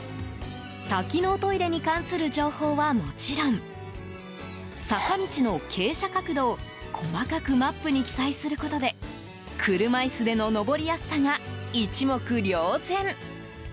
多機能トイレに関する情報はもちろん坂道の傾斜角度を細かくマップに記載することで車椅子での上りやすさが一目瞭然。